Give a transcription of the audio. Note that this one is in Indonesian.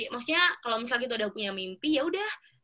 maksudnya kalau misal gitu ada yang punya mimpi ya udah